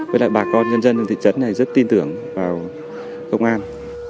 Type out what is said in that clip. với lại bà con nhân dân trên thị trấn này rất tin tưởng vào công an